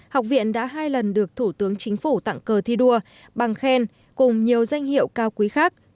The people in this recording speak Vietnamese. học viện đã hai lần được thủ tướng chính phủ tặng cờ thi đua bằng khen cùng nhiều danh hiệu cao quý khác